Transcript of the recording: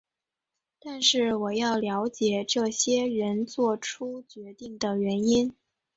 但是我要了解这些人作出决定的原因。